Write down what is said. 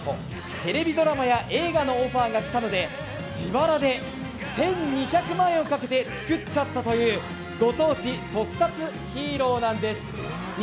テレビドラマや映画のオファーが来たので、自腹で１２００万円をかけて作っちゃったというご当地特撮ヒーローなんです。